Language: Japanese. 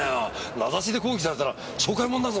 名指しで抗議されたら懲戒もんだぞお前。